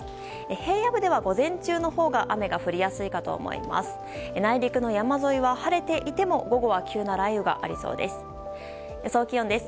平野部では、午前中のほうが雨が降りやすいかと思います。